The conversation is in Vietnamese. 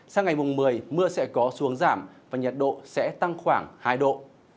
sang ngày mùng một mươi mưa sẽ có xuống giảm và nhiệt độ sẽ tăng khoảng hai độ